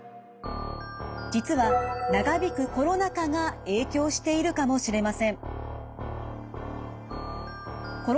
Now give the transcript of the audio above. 実は長引くコロナ禍が影響しているかもしれません。